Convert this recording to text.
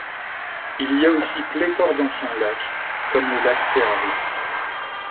Il y a aussi pléthore d'anciens lacs, comme le lac Searles.